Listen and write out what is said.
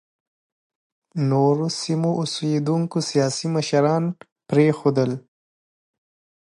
نورو سیمو اوسېدونکو سیاسي مشران پرېنښودل.